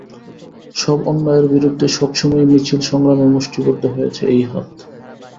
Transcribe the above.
সব অন্যায়ের বিরুদ্ধে সব সময়ই মিছিল সংগ্রামে মুষ্টিবদ্ধ হয়েছে এই হাত।